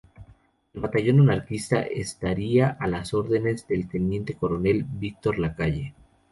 El batallón anarquista estaría a las órdenes del teniente coronel Víctor Lacalle.